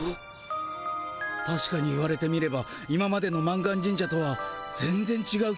たしかに言われてみれば今までの満願神社とは全ぜんちがう気がするな。